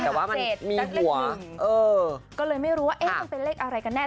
แต่ว่าเลข๑ก็เลยไม่รู้ว่าเอ๊ะมันเป็นเลขอะไรกันแน่